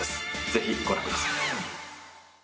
ぜひご覧ください。